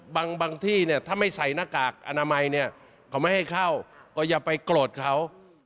บางที่เนี่ยถ้าไม่ใส่หน้ากากอนามัยเนี่ยเขาไม่ให้เข้าก็อย่าไปโกรธเขา